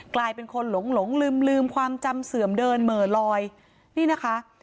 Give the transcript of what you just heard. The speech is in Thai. กลายเป็นคนหลงหลงลืมลืมความจำเสื่อมเดินเหม่อลอยนี่นะคะ